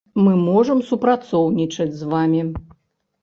Мы можам супрацоўнічаць з вамі.